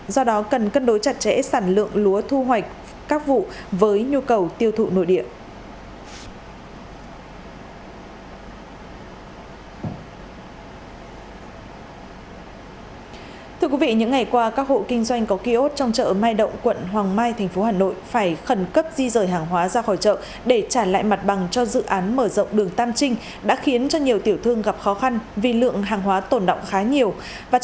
do đó cần cân đối chặt chẽ sản lượng lúa thu hoạch các vụ với nhu cầu tiêu thụ nội địa